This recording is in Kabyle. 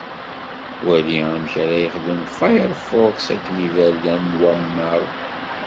Wali amek ara yexdem Firefox akked iberdan n wawwaḍ